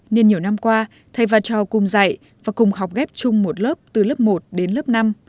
nên nhiều năm qua thầy và trò cùng dạy và cùng học ghép chung một lớp từ lớp một đến lớp năm